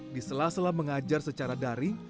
diselas sela mengajar secara dari